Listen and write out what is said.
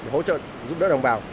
hỗ trợ giúp đỡ đồng bào